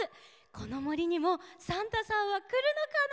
このもりにもサンタさんはくるのかな？